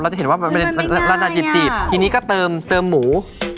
หนีด้วยถูกเราก็จะเห็นว่ามือเราจะจีบทีนี้ก็เติมหมู